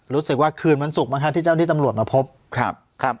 เมื่อคืนวันศุกร์มั้งฮะที่เจ้าที่ตำรวจมาพบครับครับ